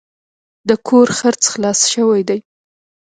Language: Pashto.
د کور خرڅ خلاص شوی دی.